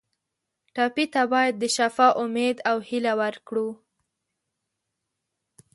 ټپي ته باید د شفا امید او هیله ورکړو.